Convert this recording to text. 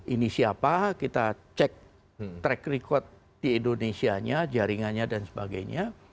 ini siapa kita cek track record di indonesia nya jaringannya dan sebagainya